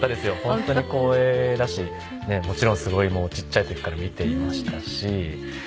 本当に光栄だしもちろんすごいちっちゃい時から見ていましたし。